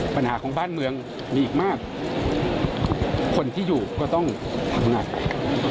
ปัญหาของบ้านเมืองมีอีกมากคนที่อยู่ก็ต้องทำงาน